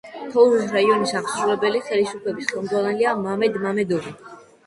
თოუზის რაიონის აღმასრულებელი ხელისუფლების ხელმძღვანელია მამედ მამედოვი.